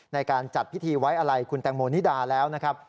ในการจัดพิธีไว้อะไรคุณแตงโมนิดาแล้วนะครับ